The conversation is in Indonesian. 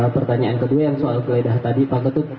pertanyaan kedua yang soal keledah tadi pak ketut